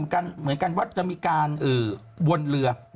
เหมือนกันว่าจะมีการวนเรือ